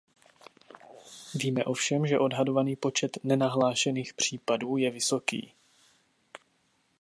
Víme ovšem, že odhadovaný počet nenahlášených případů je vysoký.